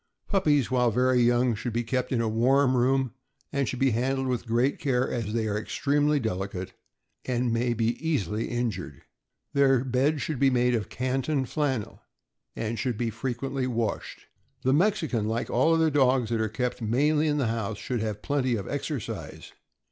Puppies while very young should be kept in a warm room, and should be handled with great care, as they are extremely delicate and may be easily injured. Their bed should be made of Canton flannel, and should be frequently washed. The Mexican, like all other dogs that are kept mainly in the house, should have plenty of exercise.